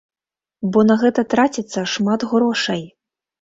Бо на гэта траціцца шмат грошай.